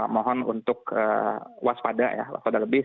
mohon untuk waspada ya waspada lebih